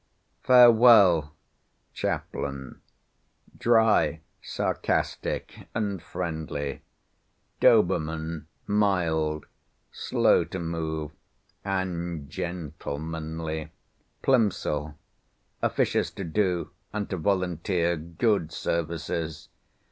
Farewell Ch——, dry, sarcastic, and friendly! Do——, mild, slow to move, and gentlemanly! Pl——, officious to do, and to volunteer, good services!